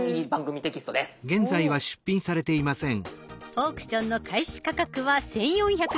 オークションの開始価格は１，４５０円。